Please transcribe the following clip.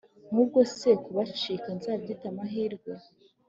Nk’ubwo se kubacika Nzabyite amahirwe